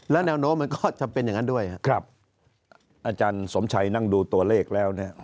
แล้วแนวโน้มมันก็จะเป็นอย่างนั้นด้วยครับอาจารย์สมชัยนั่งดูตัวเลขแล้วเนี่ย